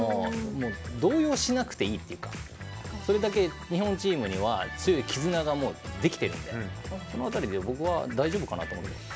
動揺しなくていいというかそれだけ、日本チームには強い絆ができているのでその辺りで僕は大丈夫かなと思います。